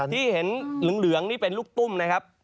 ที่เห็นเหลืองนี่เป็นลูกตุ้มนะครับ